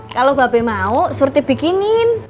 kalo bapak mau suruh dibikinin